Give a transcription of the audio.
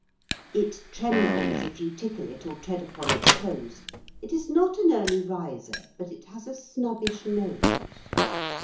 It trembles if you tickle it or tread upon its toes; It is not an early riser, but it has a snubbish nose.